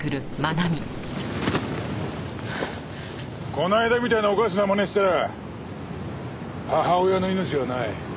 この間みたいなおかしなまねしたら母親の命はない。